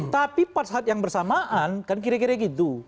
tapi pada saat yang bersamaan kan kira kira gitu